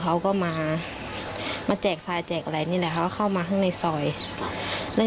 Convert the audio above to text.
เขาก็มามาแจกทรายแจกอะไรนี่แหละเขาก็เข้ามาข้างในซอยแล้ว